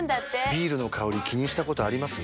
ビールの香り気にしたことあります？